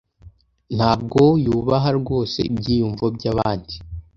Ntabwo yubaha rwose ibyiyumvo byabandi